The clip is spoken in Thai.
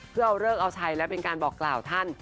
เพื่อเอาเลิกเอาชัยและเป็นการบอกกล่าวท่าน